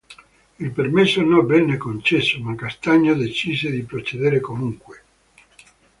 Il permesso non venne concesso, ma Castaño decise di procedere comunque.